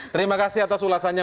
terima kasih atas ulasannya